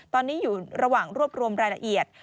ตอนนี้อยู่ระหว่างรวบรวมรายละเอียด